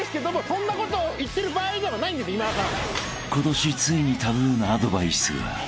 ［今年ついにタブーなアドバイスが］